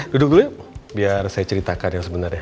duduk dulu yuk biar saya ceritakan yang sebenarnya